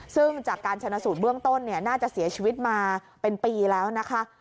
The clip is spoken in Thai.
ซึ่งจากการชนะสูตรเบื้องต้นน่าจะเสียชีวิตมาเป็นปีแล้วนะคะ